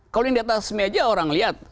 kalau yang di atas meja orang lihat